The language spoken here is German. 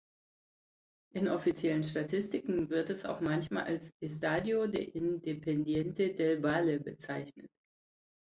In offiziellen Statistiken wird es auch manchmal als "Estadio de Independiente del Valle" bezeichnet.